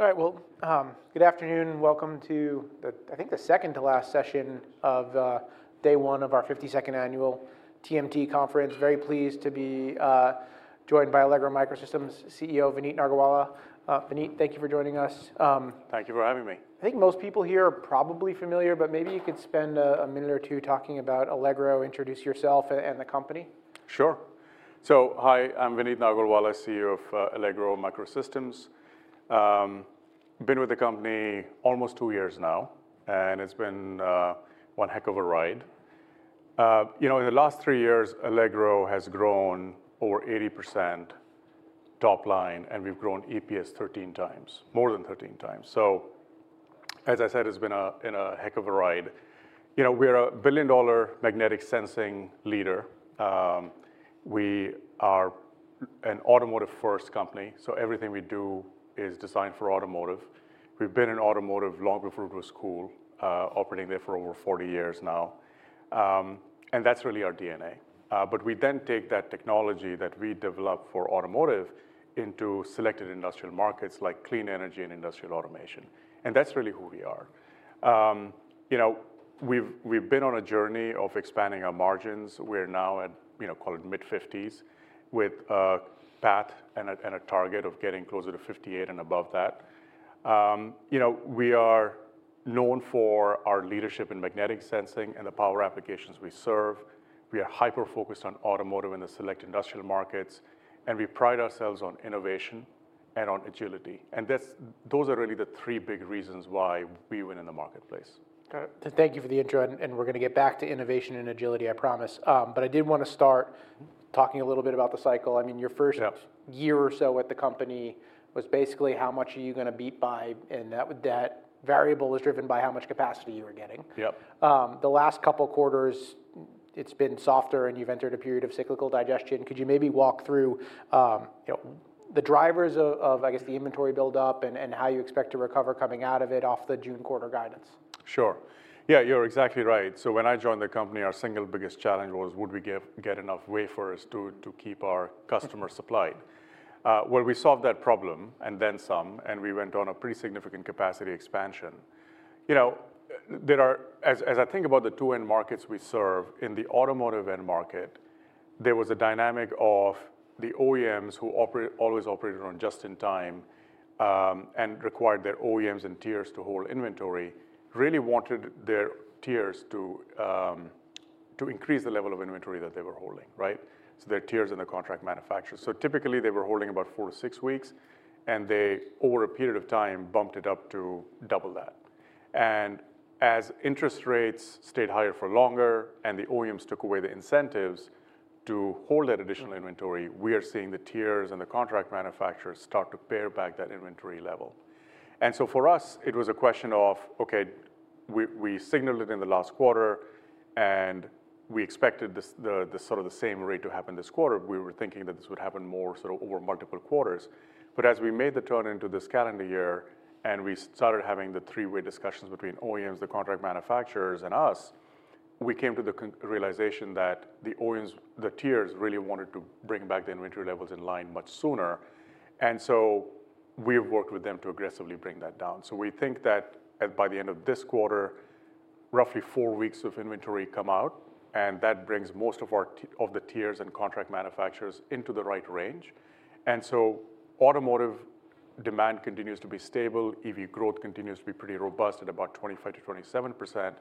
All right, well, good afternoon. Welcome to the, I think the second to last session of day one of our 52nd Annual TMT Conference. Very pleased to be joined by Allegro MicroSystems CEO, Vineet Nargolwala. Vineet, thank you for joining us. Thank you for having me. I think most people here are probably familiar, but maybe you could spend a minute or two talking about Allegro, introduce yourself and the company. Sure. So hi, I'm Vineet Nargolwala, CEO of Allegro MicroSystems. Been with the company almost two years now, and it's been one heck of a ride. You know, in the last three years, Allegro has grown over 80% top line, and we've grown EPS 13 times—more than 13 times. So as I said, it's been a, been a heck of a ride. You know, we're a billion-dollar magnetic sensing leader. We are an automotive-first company, so everything we do is designed for automotive. We've been in automotive long before it was cool, operating there for over 40 years now, and that's really our DNA. But we then take that technology that we develop for automotive into selected industrial markets, like clean energy and industrial automation, and that's really who we are. You know, we've been on a journey of expanding our margins. We're now at, you know, call it mid-50s%, with a path and a target of getting closer to 58% and above that. You know, we are known for our leadership in magnetic sensing and the power applications we serve. We are hyper-focused on automotive and the select industrial markets, and we pride ourselves on innovation and on agility, and that's those are really the three big reasons why we win in the marketplace. Got it. Thank you for the intro, and we're gonna get back to innovation and agility, I promise. But I did want to start talking a little bit about the cycle. I mean, your first- Yeah... year or so at the company was basically how much are you gonna beat by, and that, that variable was driven by how much capacity you were getting. Yep. The last couple quarters, it's been softer, and you've entered a period of cyclical digestion. Could you maybe walk through, you know, the drivers of, of I guess, the inventory buildup and, and how you expect to recover coming out of it off the June quarter guidance? Sure. Yeah, you're exactly right. So when I joined the company, our single biggest challenge was would we get enough wafers to keep our customers supplied? Well, we solved that problem, and then some, and we went on a pretty significant capacity expansion. You know, as I think about the two end markets we serve, in the automotive end market, there was a dynamic of the OEMs who always operated on just-in-time, and required their OEMs and tiers to hold inventory, really wanted their tiers to increase the level of inventory that they were holding, right? So their tiers and the contract manufacturers. So typically, they were holding about four to six weeks, and they, over a period of time, bumped it up to double that. As interest rates stayed higher for longer, and the OEMs took away the incentives to hold that additional inventory, we are seeing the tiers and the contract manufacturers start to pare back that inventory level. So for us, it was a question of, okay, we signaled it in the last quarter, and we expected this, the sort of the same rate to happen this quarter. We were thinking that this would happen more sort of over multiple quarters. But as we made the turn into this calendar year, and we started having the three-way discussions between OEMs, the contract manufacturers, and us, we came to the realization that the OEMs, the tiers, really wanted to bring back the inventory levels in line much sooner, and so we have worked with them to aggressively bring that down. So we think that at by the end of this quarter, roughly four weeks of inventory come out, and that brings most of our tiers and contract manufacturers into the right range. And so automotive demand continues to be stable. EV growth continues to be pretty robust at about 25% to 27%.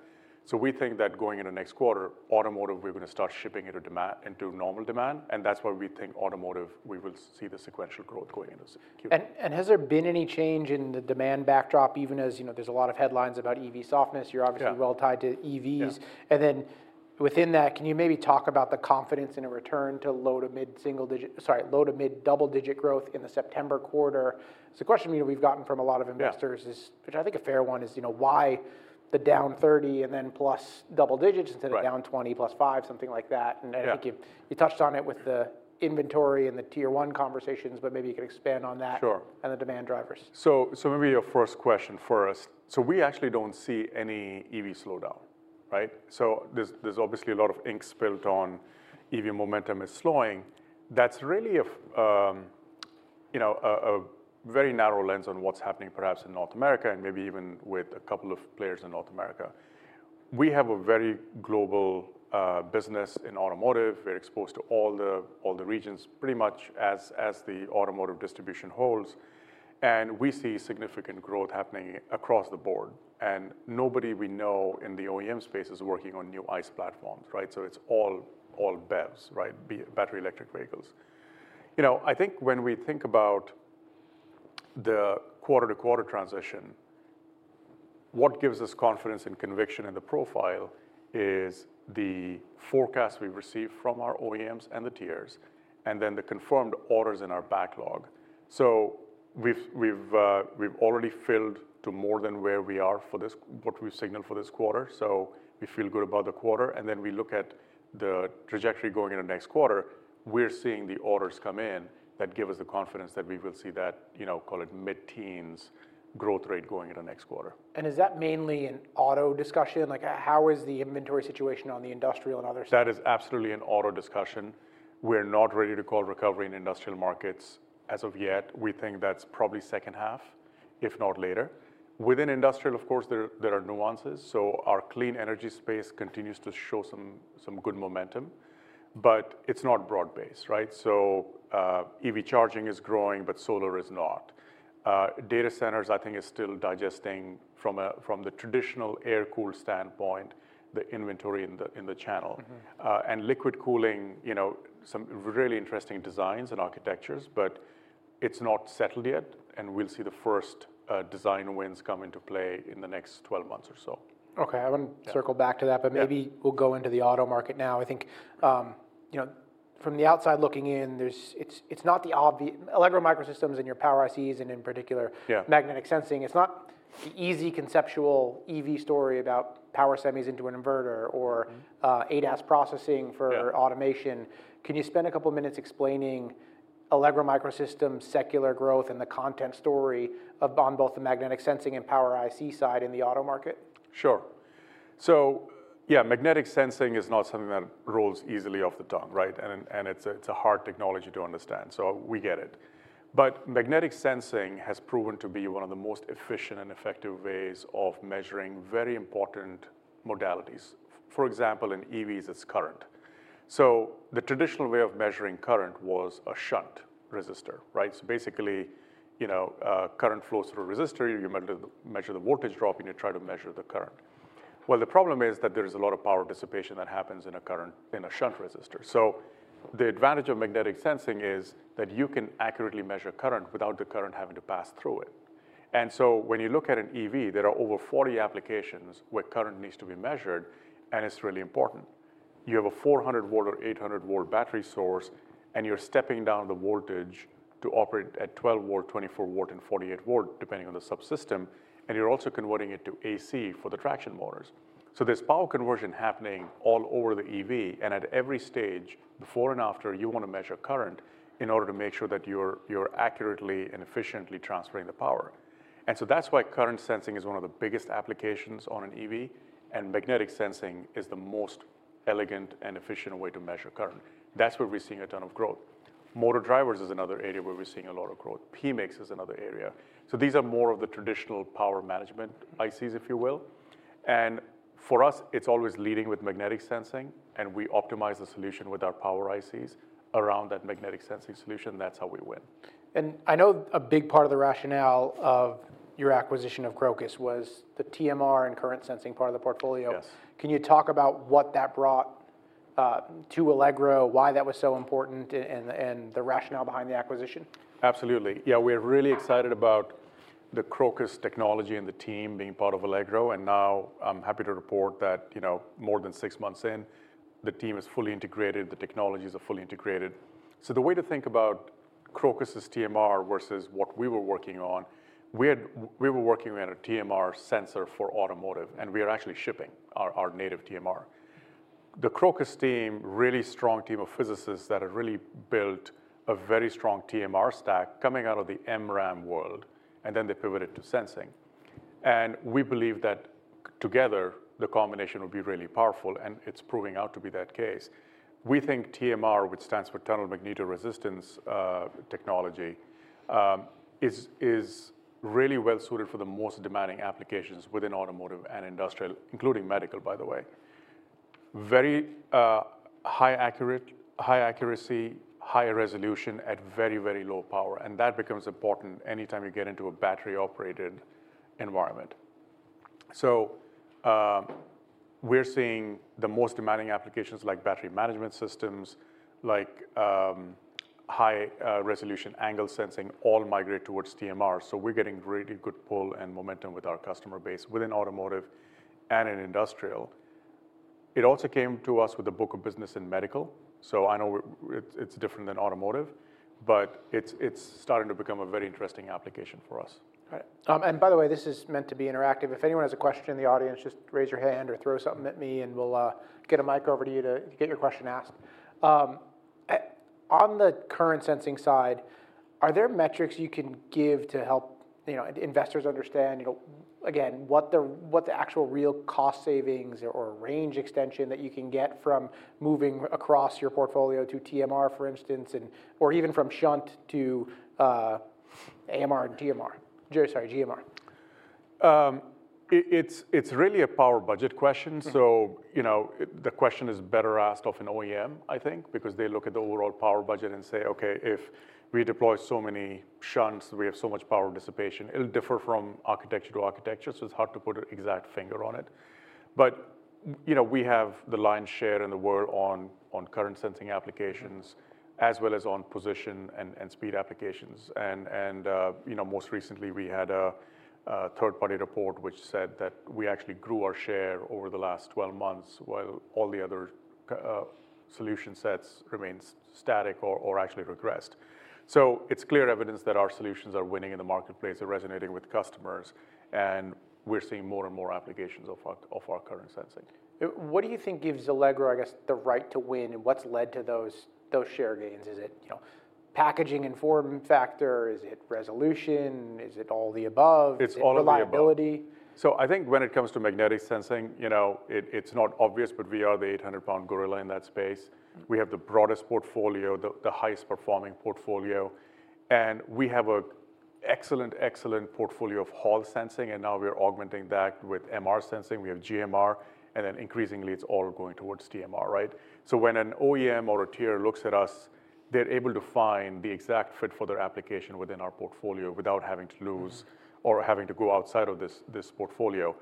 So we think that going into next quarter, automotive, we're gonna start shipping into demand into normal demand, and that's where we think automotive, we will see the sequential growth going into Q2. And has there been any change in the demand backdrop, even as, you know, there's a lot of headlines about EV softness? Yeah. You're obviously well tied to EVs. Yeah. And then within that, can you maybe talk about the confidence in a return to low- to mid-single-digit... Sorry, low- to mid-double-digit growth in the September quarter? It's a question we've gotten from a lot of investors- Yeah... is, which I think a fair one, is, you know, why the down 30 and then plus double digits- Right... instead of down 20, plus five, something like that. Yeah. I think you touched on it with the inventory and the Tier one conversations, but maybe you could expand on that? Sure... and the demand drivers. So maybe your first question first. So we actually don't see any EV slowdown, right? So there's obviously a lot of ink spilled on EV momentum is slowing. That's really a, you know, a very narrow lens on what's happening perhaps in North America and maybe even with a couple of players in North America. We have a very global business in automotive. We're exposed to all the regions, pretty much as the automotive distribution holds, and we see significant growth happening across the board, and nobody we know in the OEM space is working on new ICE platforms, right? So it's all BEVs, right? Be it battery electric vehicles. You know, I think when we think about the quarter-to-quarter transition, what gives us confidence and conviction in the profile is the forecast we've received from our OEMs and the tiers, and then the confirmed orders in our backlog. So we've already filled to more than where we are for this, what we've signaled for this quarter, so we feel good about the quarter, and then we look at the trajectory going into next quarter. We're seeing the orders come in that give us the confidence that we will see that, you know, call it mid-teens growth rate going into next quarter. Is that mainly an auto discussion? Like, how is the inventory situation on the industrial and other side? That is absolutely an auto discussion. We're not ready to call recovery in industrial markets as of yet. We think that's probably second half, if not later. Within industrial, of course, there are nuances, so our clean energy space continues to show some good momentum. But it's not broad-based, right? So, EV charging is growing, but solar is not. Data centers, I think, is still digesting from the traditional air-cooled standpoint, the inventory in the channel. Mm-hmm. Liquid cooling, you know, some really interesting designs and architectures, but it's not settled yet, and we'll see the first design wins come into play in the next 12 months or so. Okay, I want to- Yeah... circle back to that- Yeah... but maybe we'll go into the auto market now. I think, you know, from the outside looking in, it's not the obvious—Allegro MicroSystems and your power ICs, and in particular— Yeah... magnetic sensing, it's not the easy conceptual EV story about power semis into an inverter or- Mm... ADAS processing for- Yeah... automation. Can you spend a couple of minutes explaining Allegro MicroSystems' secular growth and the content story of on both the magnetic sensing and power IC side in the auto market? Sure. So yeah, magnetic sensing is not something that rolls easily off the tongue, right? And it's a hard technology to understand, so we get it. But magnetic sensing has proven to be one of the most efficient and effective ways of measuring very important modalities. For example, in EVs, it's current. So the traditional way of measuring current was a shunt resistor, right? So basically, you know, current flows through a resistor, you measure the voltage drop, and you try to measure the current. Well, the problem is that there is a lot of power dissipation that happens in a shunt resistor. So the advantage of magnetic sensing is that you can accurately measure current without the current having to pass through it. When you look at an EV, there are over 40 applications where current needs to be measured, and it's really important. You have a 400-volt or 800-volt battery source, and you're stepping down the voltage to operate at 12-volt, 24-volt, and 48-volt, depending on the subsystem, and you're also converting it to AC for the traction motors. There's power conversion happening all over the EV, and at every stage, before and after, you want to measure current in order to make sure that you're accurately and efficiently transferring the power. That's why current sensing is one of the biggest applications on an EV, and magnetic sensing is the most elegant and efficient way to measure current. That's where we're seeing a ton of growth. Motor drivers is another area where we're seeing a lot of growth. PMICs is another area. These are more of the traditional power management ICs, if you will. For us, it's always leading with magnetic sensing, and we optimize the solution with our power ICs around that magnetic sensing solution. That's how we win. I know a big part of the rationale of your acquisition of Crocus was the TMR and current sensing part of the portfolio. Yes. Can you talk about what that brought to Allegro, why that was so important, and the rationale behind the acquisition? Absolutely. Yeah, we are really excited about the Crocus technology and the team being part of Allegro, and now I'm happy to report that, you know, more than six months in, the team is fully integrated, the technologies are fully integrated. So the way to think about Crocus' TMR versus what we were working on, we were working on a TMR sensor for automotive, and we are actually shipping our, our native TMR. The Crocus team, really strong team of physicists that have really built a very strong TMR stack coming out of the MRAM world, and then they pivoted to sensing. And we believe that together, the combination will be really powerful, and it's proving out to be that case. We think TMR, which stands for tunnel magnetoresistance, technology, is really well suited for the most demanding applications within automotive and industrial, including medical, by the way. Very high accuracy, higher resolution at very, very low power, and that becomes important anytime you get into a battery-operated environment. So, we're seeing the most demanding applications like battery management systems, like high resolution angle sensing, all migrate towards TMR. So we're getting really good pull and momentum with our customer base within automotive and in industrial. It also came to us with a book of business in medical, so I know it's different than automotive, but it's starting to become a very interesting application for us. Right. And by the way, this is meant to be interactive. If anyone has a question in the audience, just raise your hand or throw something at me, and we'll get a mic over to you to get your question asked. On the current sensing side, are there metrics you can give to help, you know, investors understand, you know, again, what the actual real cost savings or range extension that you can get from moving across your portfolio to TMR, for instance, and or even from shunt to AMR and TMR? Sorry, GMR. It's really a power budget question. Mm. So, you know, the question is better asked of an OEM, I think, because they look at the overall power budget and say: Okay, if we deploy so many shunts, we have so much power dissipation. It'll differ from architecture to architecture, so it's hard to put an exact finger on it. But, you know, we have the lion's share in the world on, on current sensing applications- Mm... as well as on position and speed applications. You know, most recently, we had a third-party report which said that we actually grew our share over the last 12 months, while all the other solution sets remained static or actually regressed. It's clear evidence that our solutions are winning in the marketplace, they're resonating with customers, and we're seeing more and more applications of our current sensing. What do you think gives Allegro, I guess, the right to win, and what's led to those, those share gains? Is it, you know, packaging and form factor? Is it resolution? Is it all the above? It's all of the above. Reliability? I think when it comes to magnetic sensing, you know, it, it's not obvious, but we are the 800-pound gorilla in that space. Mm. We have the broadest portfolio, the highest performing portfolio, and we have excellent, excellent portfolio of Hall sensing, and now we are augmenting that with MR sensing. We have GMR, and then increasingly it's all going towards TMR, right? So when an OEM or a tier looks at us, they're able to find the exact fit for their application within our portfolio without having to lose or having to go outside of this, this portfolio.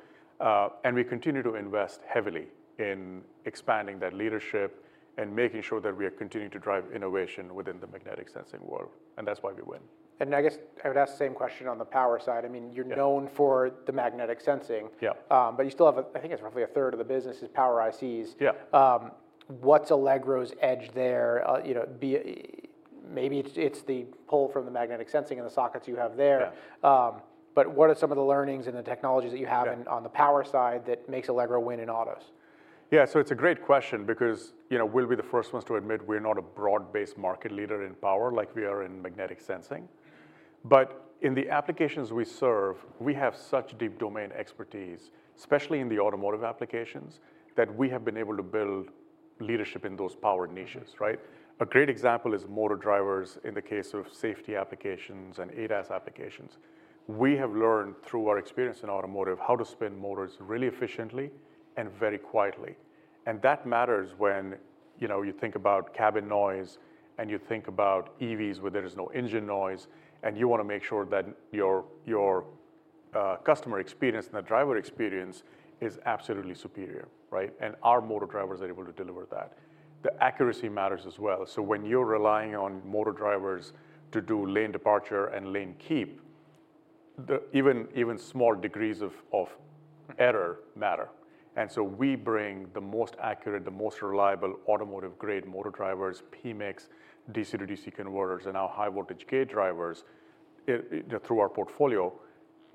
And we continue to invest heavily in expanding that leadership and making sure that we are continuing to drive innovation within the magnetic sensing world, and that's why we win. I guess I would ask the same question on the power side. I mean- Yeah... you're known for the Magnetic Sensing. Yeah. But you still have a, I think it's roughly a third of the business is power ICs. Yeah. What's Allegro's edge there? You know, may BEV's the pull from the magnetic sensing and the sockets you have there. Yeah. But what are some of the learnings and the technologies that you have- Yeah... on the power side that makes Allegro win in autos? Yeah, so it's a great question because, you know, we'll be the first ones to admit we're not a broad-based market leader in power like we are in magnetic sensing. But in the applications we serve, we have such deep domain expertise, especially in the automotive applications, that we have been able to build leadership in those power niches, right? A great example is motor drivers in the case of safety applications and ADAS applications. We have learned through our experience in automotive how to spin motors really efficiently and very quietly, and that matters when, you know, you think about cabin noise, and you think about EVs, where there is no engine noise, and you want to make sure that your, your customer experience and the driver experience is absolutely superior, right? And our motor drivers are able to deliver that. The accuracy matters as well, so when you're relying on motor drivers to do lane departure and lane keep, even small degrees of error matter. And so we bring the most accurate, the most reliable automotive-grade motor drivers, PMICs, DC-to-DC converters, and now high voltage gate drivers into our portfolio.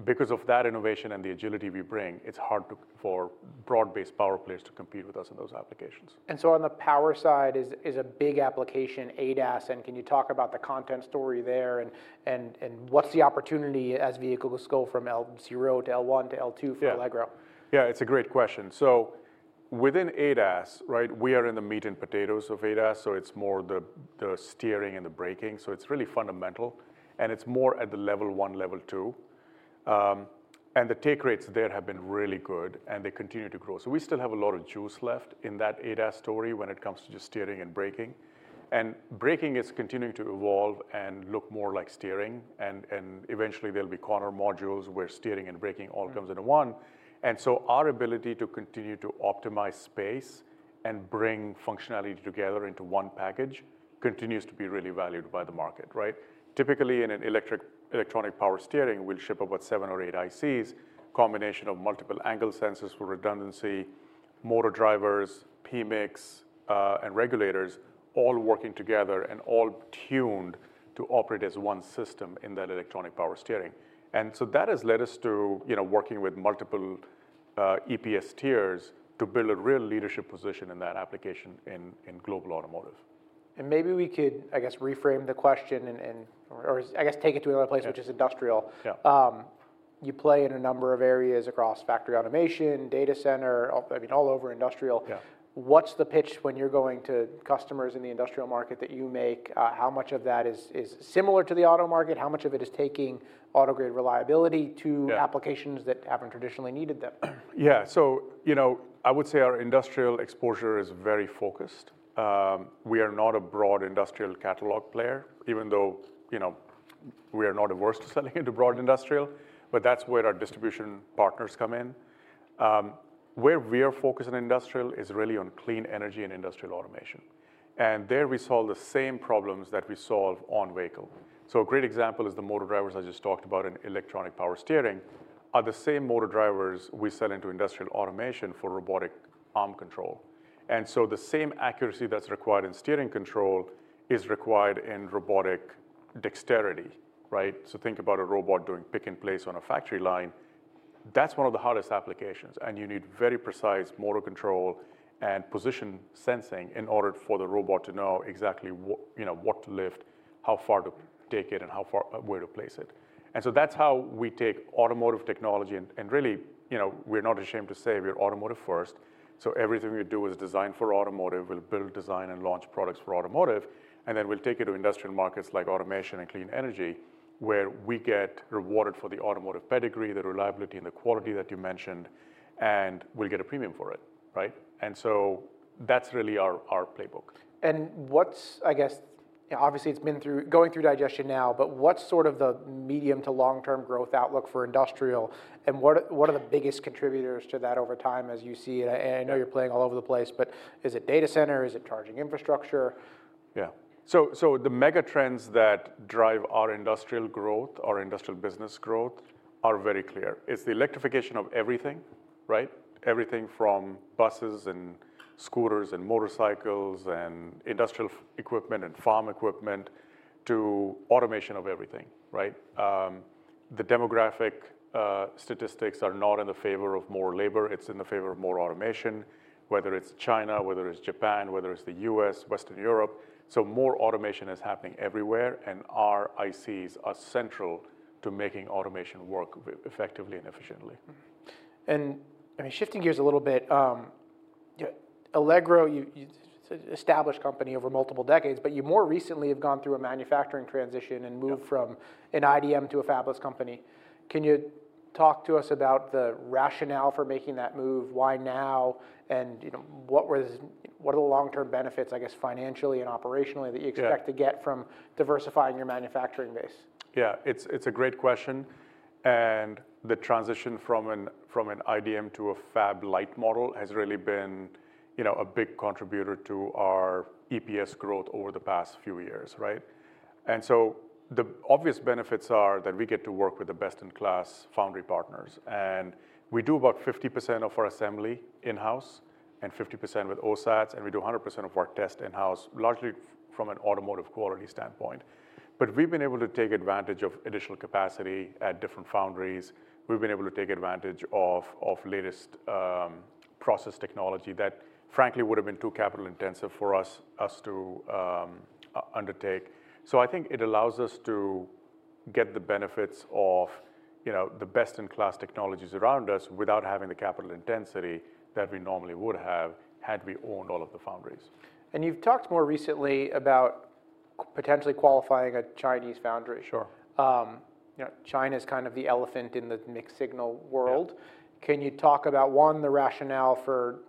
Because of that innovation and the agility we bring, it's hard to... for broad-based power players to compete with us in those applications. So on the power side is a big application ADAS, and can you talk about the content story there, and what's the opportunity as vehicles go from L0 to L1 to L2- Yeah... for Allegro? Yeah, it's a great question. So within ADAS, right, we are in the meat and potatoes of ADAS, so it's more the steering and the braking, so it's really fundamental, and it's more at the Level one, Level two. And the take rates there have been really good, and they continue to grow. So we still have a lot of juice left in that ADAS story when it comes to just steering and braking. And braking is continuing to evolve and look more like steering, and eventually there'll be corner modules, where steering and braking all comes into one. And so our ability to continue to optimize space and bring functionality together into one package continues to be really valued by the market, right? Typically, in an electric-electronic power steering, we'll ship about seven or eight ICs, combination of multiple angle sensors for redundancy, motor drivers, PMICs, and regulators all working together and all tuned to operate as one system in that electronic power steering. And so that has led us to, you know, working with multiple EPS tiers to build a real leadership position in that application in global automotive. Maybe we could, I guess, reframe the question and, or, I guess, take it to another place- Yeah... which is industrial. Yeah. You play in a number of areas across factory automation, data center, I mean, all over industrial. Yeah. What's the pitch when you're going to customers in the industrial market that you make? How much of that is similar to the auto market? How much of it is taking auto-grade reliability to- Yeah... applications that haven't traditionally needed them? Yeah. So, you know, I would say our industrial exposure is very focused. We are not a broad industrial catalog player, even though, you know, we are not averse to selling into broad industrial, but that's where our distribution partners come in. Where we are focused on industrial is really on clean energy and industrial automation, and there we solve the same problems that we solve on vehicle. So a great example is the motor drivers I just talked about in electronic power steering are the same motor drivers we sell into industrial automation for robotic arm control. And so the same accuracy that's required in steering control is required in robotic dexterity, right? So think about a robot doing pick-and-place on a factory line. That's one of the hardest applications, and you need very precise motor control and position sensing in order for the robot to know exactly what, you know, what to lift, how far to take it, and how far, where to place it. And so that's how we take automotive technology, and, and really, you know, we're not ashamed to say we are automotive first. So everything we do is designed for automotive. We'll build, design, and launch products for automotive, and then we'll take it to industrial markets like automation and clean energy, where we get rewarded for the automotive pedigree, the reliability, and the quality that you mentioned, and we'll get a premium for it, right? And so that's really our, our playbook. And what's... I guess, obviously, it's been through, going through digestion now, but what's sort of the medium- to long-term growth outlook for industrial, and what are, what are the biggest contributors to that over time, as you see it? And I know you're playing all over the place, but is it data center? Is it charging infrastructure? Yeah. So, so the mega trends that drive our industrial growth, our industrial business growth, are very clear. It's the electrification of everything, right? Everything from buses and scooters and motorcycles and industrial equipment and farm equipment to automation of everything, right? The demographic statistics are not in the favor of more labor. It's in the favor of more automation, whether it's China, whether it's Japan, whether it's the U.S., Western Europe. So more automation is happening everywhere, and our ICs are central to making automation work effectively and efficiently. Mm-hmm. And, I mean, shifting gears a little bit, Yeah, Allegro, you, you established company over multiple decades, but you more recently have gone through a manufacturing transition and moved- Yeah from an IDM to a fabless company. Can you talk to us about the rationale for making that move? Why now? And, you know, what are the long-term benefits, I guess, financially and operationally, that you- Yeah Expect to get from diversifying your manufacturing base? Yeah, it's a great question, and the transition from an IDM to a fab-lite model has really been, you know, a big contributor to our EPS growth over the past few years, right? And so, the obvious benefits are that we get to work with the best-in-class foundry partners, and we do about 50% of our assembly in-house and 50% with OSATs, and we do 100% of our test in-house, largely from an automotive quality standpoint. But we've been able to take advantage of additional capacity at different foundries. We've been able to take advantage of latest process technology that frankly would've been too capital intensive for us to undertake. So I think it allows us to get the benefits of, you know, the best-in-class technologies around us without having the capital intensity that we normally would have, had we owned all of the foundries. You've talked more recently about potentially qualifying a Chinese foundry. Sure. You know, China's kind of the elephant in the mixed-signal world. Yeah. Can you talk about, one, the rationale for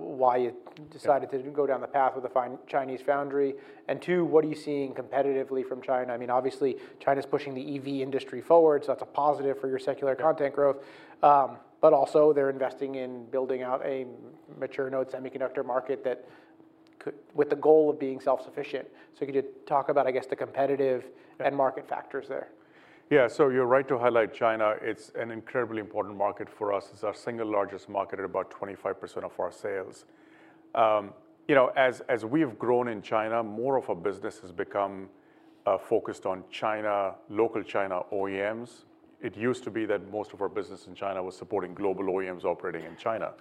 why you- Yeah... decided to go down the path with the Chinese foundry? And two, what are you seeing competitively from China? I mean, obviously, China's pushing the EV industry forward, so that's a positive for your secular content growth. Yeah. But also they're investing in building out a mature node semiconductor market with the goal of being self-sufficient. So could you talk about, I guess, the competitive... Yeah... and market factors there? Yeah, so you're right to highlight China. It's an incredibly important market for us. It's our single largest market at about 25% of our sales. You know, as we've grown in China, more of our business has become focused on China, local China OEMs. It used to be that most of our business in China was supporting global OEMs operating in China.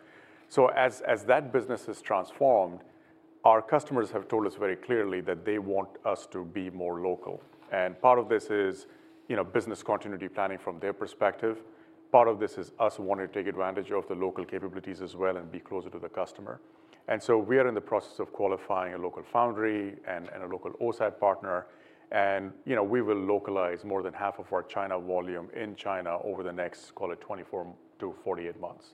So as that business has transformed, our customers have told us very clearly that they want us to be more local, and part of this is, you know, business continuity planning from their perspective. Part of this is us wanting to take advantage of the local capabilities as well and be closer to the customer. And so we are in the process of qualifying a local foundry and a local OSAT partner. You know, we will localize more than half of our China volume in China over the next, call it 24 to 48 months.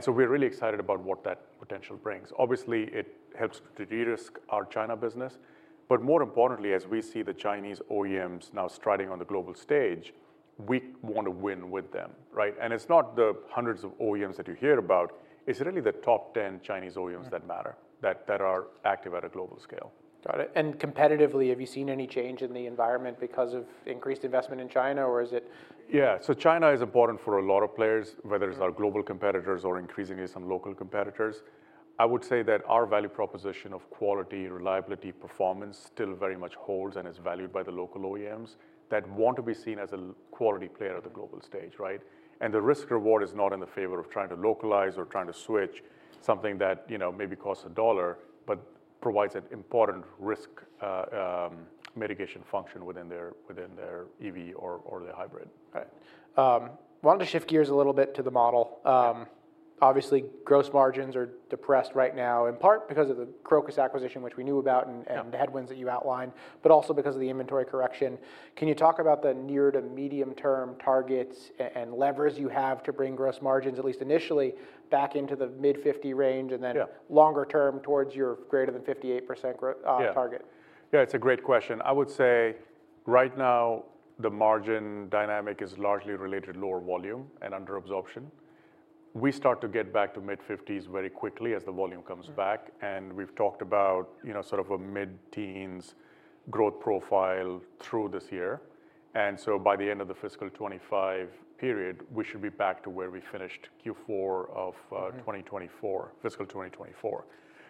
So we're really excited about what that potential brings. Obviously, it helps to de-risk our China business, but more importantly, as we see the Chinese OEMs now striding on the global stage, we want to win with them, right? It's not the hundreds of OEMs that you hear about, it's really the top 10 Chinese OEMs. Mm... that matter, that are active at a global scale. Got it, and competitively, have you seen any change in the environment because of increased investment in China, or is it? Yeah, so China is important for a lot of players, whether it's our global competitors or increasingly some local competitors. I would say that our value proposition of quality, reliability, performance still very much holds and is valued by the local OEMs that want to be seen as a quality player at the global stage, right? And the risk reward is not in the favor of trying to localize or trying to switch something that, you know, maybe costs $1, but provides an important risk mitigation function within their EV or their hybrid. Right. Wanted to shift gears a little bit to the model. Obviously, gross margins are depressed right now, in part because of the Crocus acquisition, which we knew about- Yeah... and the headwinds that you outlined, but also because of the inventory correction. Can you talk about the near- to medium-term targets and levers you have to bring gross margins, at least initially, back into the mid-50 range, and then- Yeah... longer term, towards your greater than 58% target? Yeah. Yeah, it's a great question. I would say right now, the margin dynamic is largely related to lower volume and under absorption. We start to get back to mid-50s% very quickly as the volume comes back. Mm. We've talked about, you know, sort of a mid-teens growth profile through this year, and so by the end of the fiscal 2025 period, we should be back to where we finished Q4 of Mm... 2024, fiscal 2024.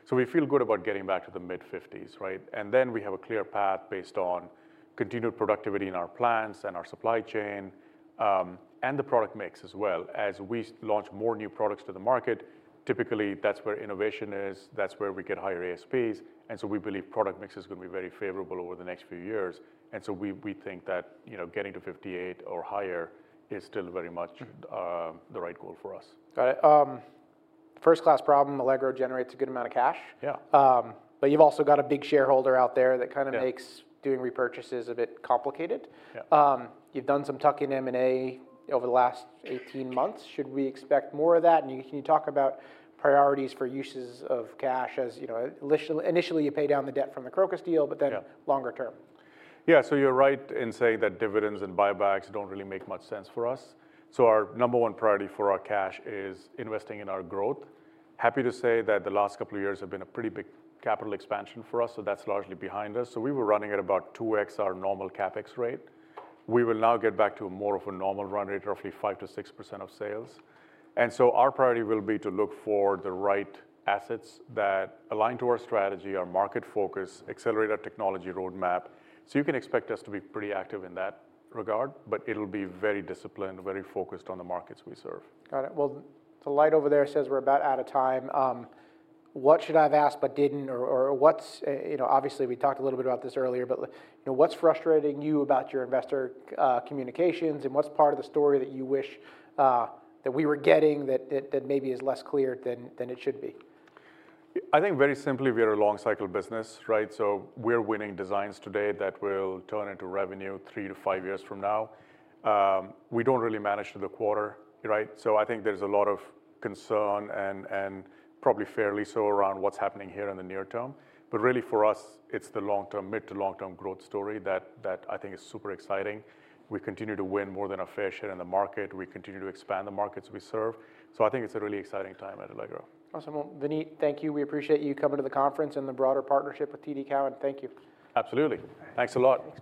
So we feel good about getting back to the mid-50s, right? And then we have a clear path based on continued productivity in our plants and our supply chain, and the product mix as well. As we launch more new products to the market, typically, that's where innovation is, that's where we get higher ASPs, and so we believe product mix is gonna be very favorable over the next few years. And so we, we think that, you know, getting to 58 or higher is still very much- Mm... the right goal for us. Got it. First-class problem, Allegro generates a good amount of cash. Yeah. But you've also got a big shareholder out there that kinda makes- Yeah... doing repurchases a bit complicated. Yeah. You've done some tuck-in M&A over the last 18 months. Should we expect more of that? And can you talk about priorities for uses of cash, as you know, initially you pay down the debt from the Crocus deal, but then- Yeah... longer term. Yeah, so you're right in saying that dividends and buybacks don't really make much sense for us. So our number one priority for our cash is investing in our growth. Happy to say that the last couple of years have been a pretty big capital expansion for us, so that's largely behind us. So we were running at about 2x our normal CapEx rate. We will now get back to more of a normal run rate, roughly 5% to 6% of sales. And so our priority will be to look for the right assets that align to our strategy, our market focus, accelerate our technology roadmap. So you can expect us to be pretty active in that regard, but it'll be very disciplined, very focused on the markets we serve. Got it. Well, the light over there says we're about out of time. What should I have asked but didn't? Or, what's... You know, obviously, we talked a little bit about this earlier, but, you know, what's frustrating you about your investor communications, and what's part of the story that you wish that we were getting that maybe is less clear than it should be? I think very simply, we are a long cycle business, right? So we're winning designs today that will turn into revenue three to five years from now. We don't really manage to the quarter, right? So I think there's a lot of concern, and probably fairly so, around what's happening here in the near term. But really for us, it's the long-term, mid to long-term growth story that I think is super exciting. We continue to win more than our fair share in the market. We continue to expand the markets we serve, so I think it's a really exciting time at Allegro. Awesome. Well, Vineet, thank you. We appreciate you coming to the conference and the broader partnership with TD Cowen. Thank you. Absolutely. Thanks. Thanks a lot. Thanks, man.